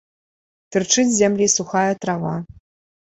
Тырчыць з зямлі сухая трава.